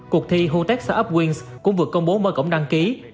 cuộc thi who takes startup wins cũng vừa công bố mở cổng đăng ký